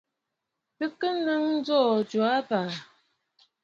Bɨ kɨ̀ nɨ̌ŋ ǹjò ghu abàà.